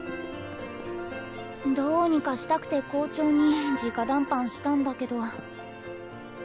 どうにかしたくて校長にじか談判したんだけど。